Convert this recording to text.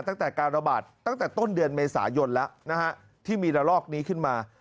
ตั้งแต่การระบาดตั้งแต่ต้นเดือนเมษายนแล้วนะฮะที่มีระลอกนี้ขึ้นมา